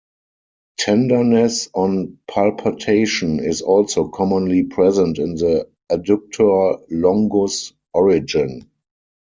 Tenderness on palpation is also commonly present in the adductor longus origin.